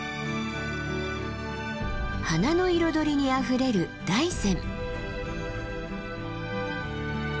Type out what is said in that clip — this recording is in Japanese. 花の彩りにあふれる大山。